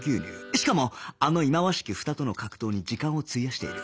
しかもあの忌まわしきフタとの格闘に時間を費やしている